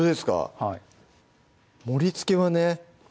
はい盛りつけはね